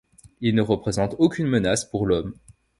Il ne représente aucune menace pour l'homme.